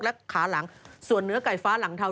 และขาหลังส่วนเนื้อไก่ฟ้าหลังเทา